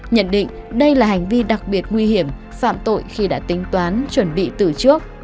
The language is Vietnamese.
nhận định đây là hành vi đặc biệt nguy hiểm phạm tội khi đã tính toán chuẩn bị từ trước